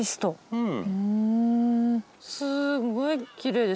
うん。